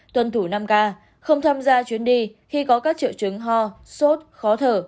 tuân thủ năm k không tham gia chuyến đi khi có các triệu chứng ho sốt khó thở